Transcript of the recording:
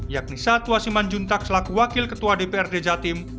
yakni satwa siman juntak selaku wakil ketua dprd jatim